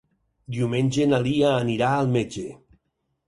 Diumenge na Lia anirà al metge.